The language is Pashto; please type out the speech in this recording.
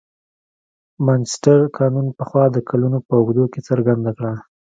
مانچستر قانون پخوا د کلونو په اوږدو کې څرګنده کړه.